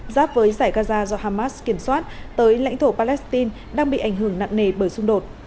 giáp với giải gaza do hamas kiểm soát tới lãnh thổ palestine đang bị ảnh hưởng nặng nề bởi xung đột